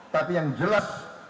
tapi yang jelas